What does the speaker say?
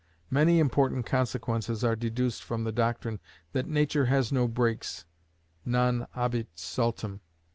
Many important consequences are deduced from the doctrine that Nature has no breaks (non habet saltum).